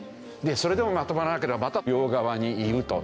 それでもまとまらなければまた両側に言うと。